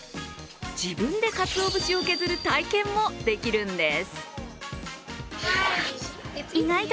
自分でかつお節を削る体験もできるんです。